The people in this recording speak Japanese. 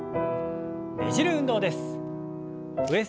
ねじる運動です。